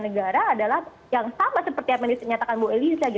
yang harus dilakukan negara adalah yang sama seperti apa yang dinyatakan bu elisa